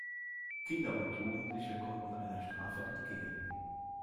Kinder und Jugendliche konnten einer Strafe entgehen.